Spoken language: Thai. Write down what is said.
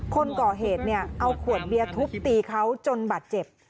คนก่อเหตุเอาขวดเบียดทุบตีเขาจนบัดเจ็บ